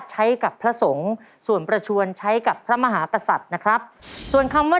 หากพระสงฆ์ป่วยใช้คำราชาศัพท์ว่าอย่างไร